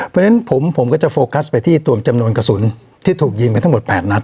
เพราะฉะนั้นผมก็จะโฟกัสไปที่ตัวจำนวนกระสุนที่ถูกยิงกันทั้งหมด๘นัด